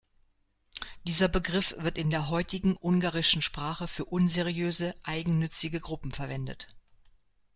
Dieser Begriff wird in der heutigen ungarischen Sprache für unseriöse, eigennützige Gruppen verwendet.